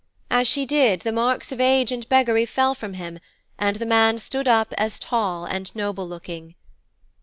As she did, the marks of age and beggary fell from him and the man stood up as tall and noble looking.